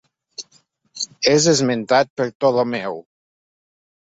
És esmentat per Ptolemeu.